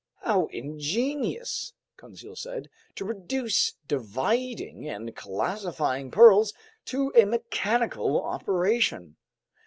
"How ingenious," Conseil said, "to reduce dividing and classifying pearls to a mechanical operation.